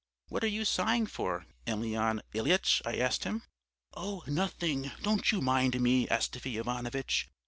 'What are you sighing for, Emelyan Ilyitch?' I asked him. "'Oh, nothing; don't you mind me, Astafy Ivanovitch.